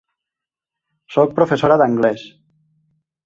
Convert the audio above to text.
Soc professora d'anglès.